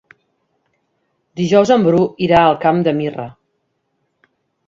Dijous en Bru irà al Camp de Mirra.